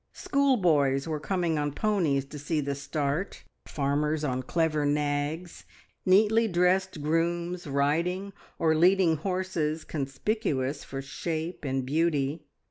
Schoolboys were coming on ponies to see the start, farmers on clever nags; neatly dressed grooms riding, or leading horses conspicuous for shape and beauty.